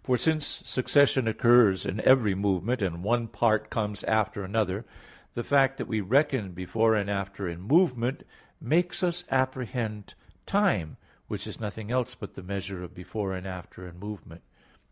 _ For since succession occurs in every movement, and one part comes after another, the fact that we reckon before and after in movement, makes us apprehend time, which is nothing else but the measure of before and after in movement.